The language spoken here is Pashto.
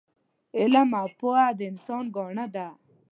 علم او پوه د انسان ګاڼه ده